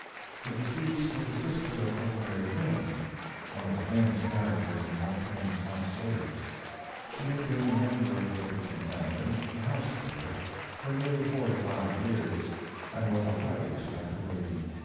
The deceased was a sister of "Huckleberry Finn," one of the famous characters in Mark Twain's Tom Sawyer. She had been a member of the Dickason family—the housekeeper— for nearly forty five years, and was a highly respected lady.